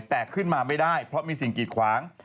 แต่ขึ้นมาไม่ได้เพราะมีสิ่งกีดขวาง